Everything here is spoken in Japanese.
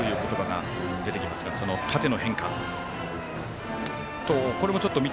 清水さんから縦という言葉が出てきますがその縦の変化。